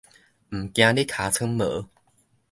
毋驚你尻川無